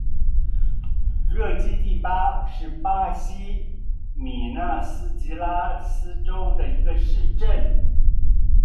热基蒂巴是巴西米纳斯吉拉斯州的一个市镇。